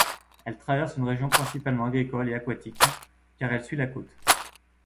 Elle traverse une région principalement agricole et aquatique, car elle suit la côte.